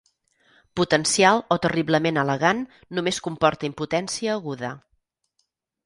Potencial o terriblement elegant només comporta impotència aguda.